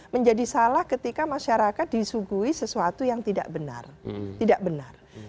menjadi salah ketika masyarakat disuguhi sesuatu yang tidak benar